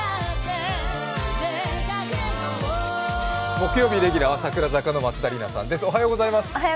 木曜日レギュラーは櫻坂の松田里奈さんです。